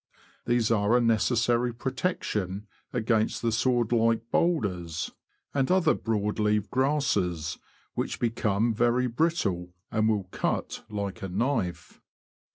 These are a necessary protection against the sword like boulders, THE BROAD DISTRICT IN SPRING. 215 and other broad leaved grasses, which become very brittle, and will cut like a knife.